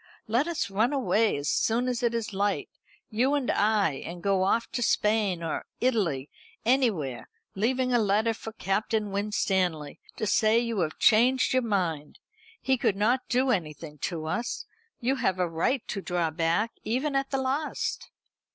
Let us run away as soon as it is light, you and I, and go off to Spain, or Italy, anywhere, leaving a letter for Captain Winstanley, to say you have changed your mind. He could not do anything to us. You have a right to draw back, even at the last."